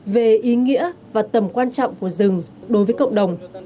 về ý nghĩa và tầm quan trọng của rừng đối với cộng đồng